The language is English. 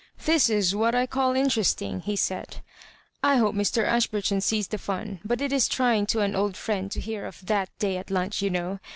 "This is what I call interesting," he said. " I hope Mr, Ashburton sees the fun ; but it is trying to an old friend to hear of t?iat day at lunch, you know.